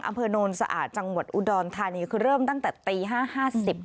อำเภอโนนสะอาดจังหวัดอุดรธานีคือเริ่มตั้งแต่ตี๕๕๐